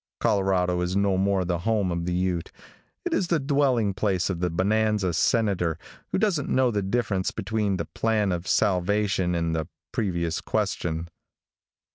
Colorado is no more the home of the Ute. It is the dwelling place of the bonanza Senator, who doesn't know the difference between the plan of salvation and the previous question.